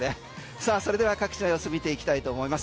さあそれでは各地の様子見ていきたいと思います。